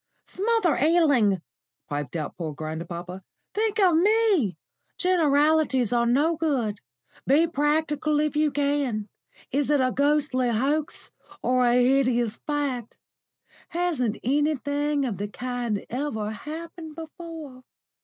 "Smother Ealing!" piped out poor grandpapa. "Think of me! Generalities are no good. Be practical if you can. Is it a ghastly hoax or a hideous fact? Hasn't anything of the kind ever happened before?